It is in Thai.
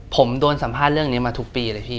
ผมโดนสัมภาษณ์เรื่องนี้มาทุกปีเลยพี่